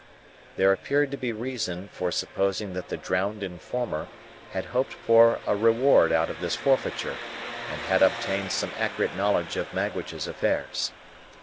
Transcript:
There appeared to be reason for supposing that the drowned informer had hoped for a reward out of this forfeiture, and had obtained some accurate knowledge of Magwitch's affairs.